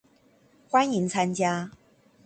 歡迎參加